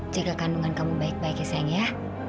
jaga kandungan kamu baik baik ya sayang ya